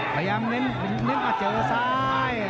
ขยับนึกมาเจอซ้าย